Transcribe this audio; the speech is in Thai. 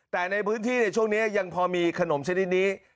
แต่ในพื้นที่ในช่วงนี้ยังพอมีขนมชนิดนี้